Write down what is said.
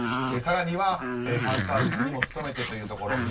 更には、ファンサービスにも努めてというところ。